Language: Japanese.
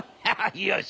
よし！